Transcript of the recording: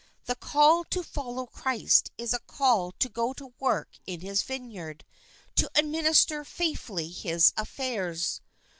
The call to follow Christ is a call to go to work in his vineyard, to administer faithfully his affairs.